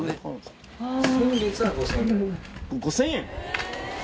５０００円！？